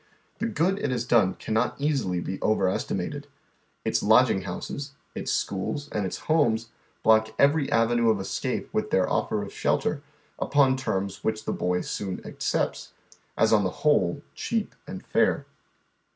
The good it has done cannot easily be over estimated. Its lodging houses, its schools and its homes block every avenue of escape with their offer of shelter npon terms which the boy soon accepts, as on the whole cheap and fair.